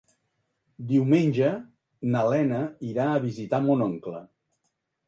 Diumenge na Lena irà a visitar mon oncle.